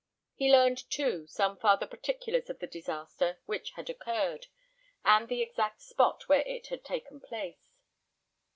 He learned, too, some farther particulars of the disaster which had occurred, and the exact spot where it had taken place.